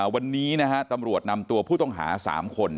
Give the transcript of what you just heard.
วันนี้ตำรวจนำตัวผู้ต้องหา๓คน